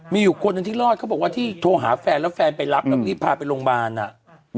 มีอยู่คนหนึ่งที่รอดเขาบอกว่าที่โทรหาแฟนแล้วแฟนไปรับแล้วรีบพาไปโรงพยาบาลอ่ะ